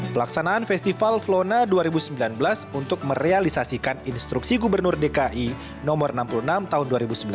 pelaksanaan festival flona dua ribu sembilan belas untuk merealisasikan instruksi gubernur dki no enam puluh enam tahun dua ribu sembilan belas